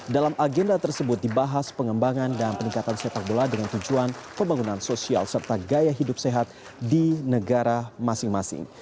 dalam agenda tersebut dibahas pengembangan dan peningkatan sepak bola dengan tujuan pembangunan sosial serta gaya hidup sehat di negara masing masing